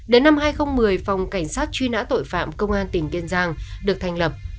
đến năm hai nghìn một mươi phòng cảnh sát truy nã tội phạm công an tỉnh kiên giang được thành lập